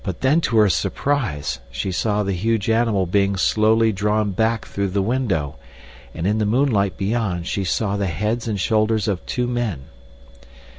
She did not fire a second time, for to her surprise she saw the huge animal being slowly drawn back through the window, and in the moonlight beyond she saw the heads and shoulders of two men.